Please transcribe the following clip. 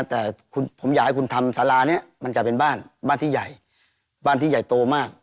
แต่คุณผมอยากให้คุณทำสารานี้มันกลายเป็นบ้านบ้านที่ใหญ่บ้านที่ใหญ่โตมาก